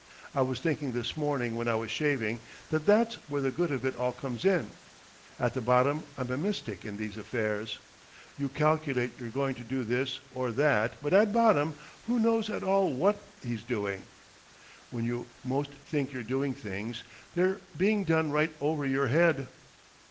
I was thinking this morning when I was shaving, that that's where the good of it all comes in. At the bottom I'm a mystic in these affairs. You calculate you're going to do this or that, but at bottom who knows at all what he's doing? When you most think you're doing things, they're being done right over your head.